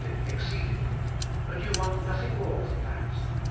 J ceedingly, ana . v "" WRnt nothing more than that.